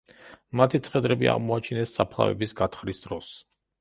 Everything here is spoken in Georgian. მათი ცხედრები აღმოაჩინეს საფლავების გათხრის დროს.